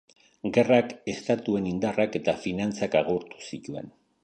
Gerrak estatuen indarrak eta finantzak agortu zituen.